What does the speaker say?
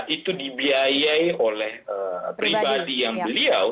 itu dibiayai oleh pribadi yang beliau